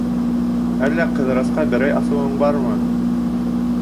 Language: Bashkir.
— Әллә Ҡыҙырасҡа берәй асыуың бармы?